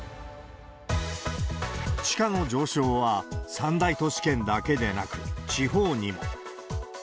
地価の上昇は三大都市圏だけでなく、地方にも。